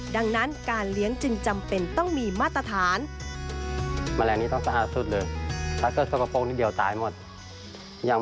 ดังนั้นการเลี้ยงจึงจำเป็นต้องมีมาตรฐาน